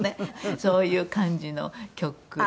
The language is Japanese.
そういう感じの曲で。